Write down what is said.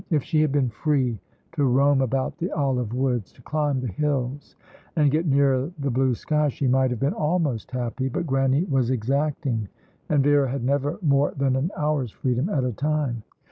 If she had been free to roam about the olive woods, to climb the hills, and get nearer the blue sky, she might have been almost happy; but Grannie was exacting, and Vera had never more than an hour's freedom at a time.